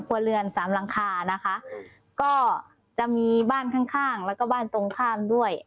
ครัวเรือนสามหลังคานะคะก็จะมีบ้านข้างข้างแล้วก็บ้านตรงข้ามด้วย